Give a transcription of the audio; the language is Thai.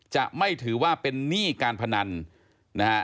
จะไม่ถือว่าเป็นหนี้การพนันนะฮะ